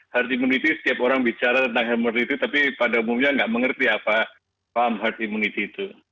herd immunity setiap orang bicara tentang herd immunity tapi pada umumnya tidak mengerti apa herd immunity itu